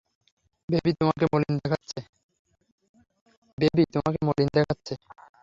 Baby, তোমাকে মলিন দেখাচ্ছে।